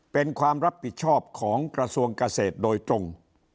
เป็นความรับผิดชอบของกระทรวงเกษตรโดยตรง